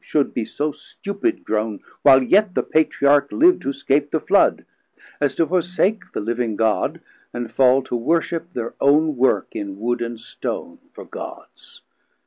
should be so stupid grown, While yet the Patriark liv'd, who scap'd the Flood, As to forsake the living God, and fall To worship thir own work in Wood and Stone For Gods!